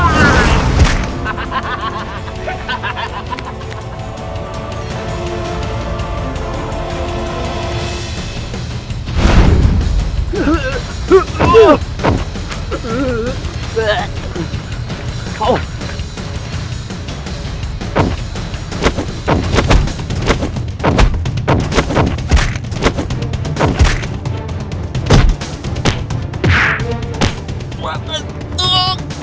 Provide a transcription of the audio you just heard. makin padam hatiku